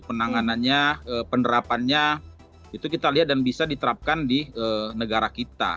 penanganannya penerapannya itu kita lihat dan bisa diterapkan di negara kita